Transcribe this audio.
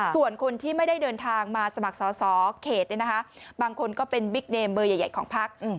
ส่วนคนที่ไม่ได้เดินทางมาสมัครสอสอเขตบางคนก็เป็นบิ๊กเนมเบอร์ใหญ่ของพัก